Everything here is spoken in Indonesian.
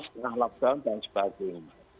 setengah lockdown dan sebagainya